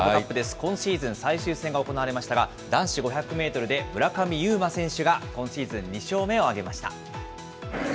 今シーズン最終戦が行われましたが、男子５００メートルで村上右磨選手が今シーズン２勝目を挙げました。